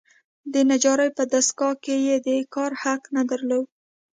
د نجارۍ په دستګاه کې یې د کار حق نه درلود.